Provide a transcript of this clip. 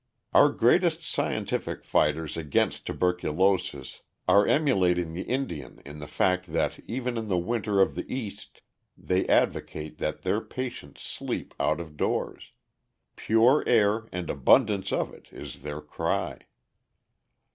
Our greatest scientific fighters against tuberculosis are emulating the Indian in the fact that even in the winter of the East they advocate that their patients sleep out of doors. Pure air, and abundance of it, is their cry.